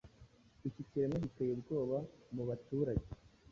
iki kiremwa giteye ubwoba mubaturage